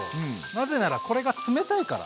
なぜならこれが冷たいから。